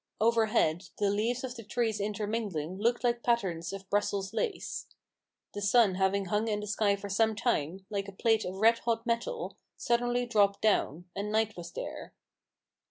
Overhead, the leaves of the trees intermingling looked like patterns of Brussels lace. The sun having hung in the sky for some time, like a plate of red hot metal, suddenly dropped down ; and night was there.